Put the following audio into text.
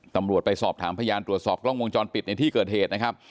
ไปสอบถามพยานตรวจสอบกล้องวงจรปิดในที่เกิดเหตุนะครับ